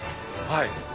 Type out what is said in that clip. はい。